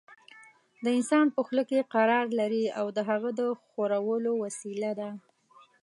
د انسان په خوله کې قرار لري او د هغه د ښورولو وسیله ده.